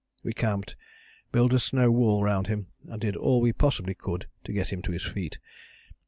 We camped, built a snow wall round him, and did all we possibly could to get him on his feet.